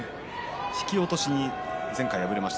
引き落としに前回敗れました。